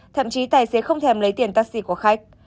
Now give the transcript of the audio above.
thậm chí tài xế không thèm lấy tiền taxi của khách